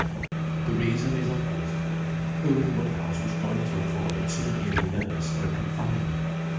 The reason is obvious. Who in Woodhouse was going to afford a two guinea nurse, for a confinement?